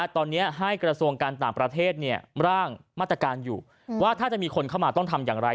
ตอนนี้ให้กระทรวงการต่างประเทศร่างมาตรการอยู่ว่าถ้าจะมีคนเข้ามาต้องทำอย่างไร